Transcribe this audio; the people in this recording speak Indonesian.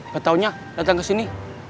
gak tahunya datang ke sini